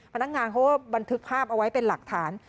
พนักงานบันทึกภาพอไว้เป็นหลักฐาน